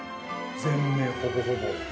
全面ほぼほぼ。